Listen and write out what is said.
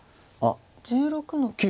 １６の九。